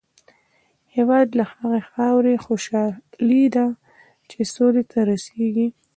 هېواد د هغې خاورې خوشحالي ده چې سولې ته رسېږي.